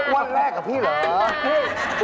วันแรกกับพี่เหรอ